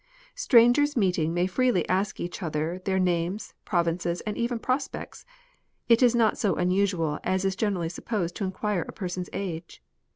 Strangers meeting may freely ask each other their names, provinces, and even prospects ; it is not so usual as is generally supposed to inquire a person's age.